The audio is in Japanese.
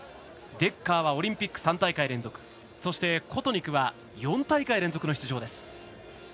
デッカーはオリンピック３大会連続そして、コトニクは４大会連続の出場です。